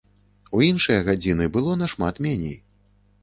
У іншыя гадзіны было нашмат меней.